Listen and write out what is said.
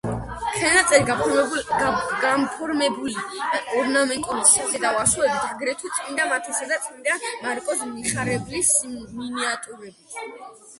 ხელნაწერი გაფორმებულია ორნამენტული საზედაო ასოებით, აგრეთვე წმინდა მათესა და წმინდა მარკოზ მახარებლის მინიატიურებით.